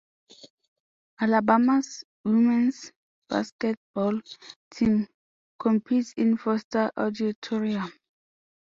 Alabama's women's basketball team competes in Foster Auditorium.